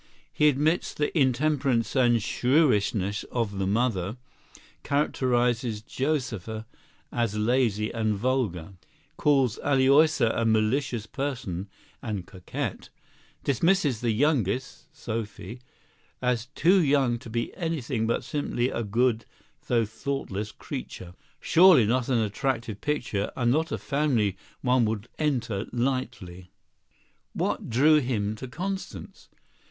He admits the intemperance and shrewishness of the mother; characterizes Josepha as lazy and vulgar; calls Aloysia a malicious person and coquette; dismisses the youngest, Sophie, as too young to be anything but simply a good though thoughtless creature. Surely not an attractive picture and not a family one would enter lightly. What drew him to Constance?